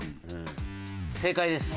正解です。